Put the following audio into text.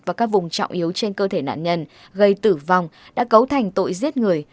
và các vùng trọng yếu trên cơ thể nạn nhân gây tử vong đã cấu thành tội giết người